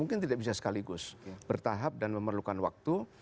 mungkin tidak bisa sekaligus bertahap dan memerlukan waktu